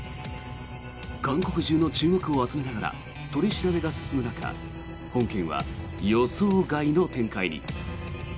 韓国中の注目を集めながら取り締まりが進む中本件は予想外の展開に。